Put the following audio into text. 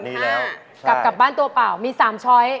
กลับกลับบ้านตัวเปล่ามี๓ช้อย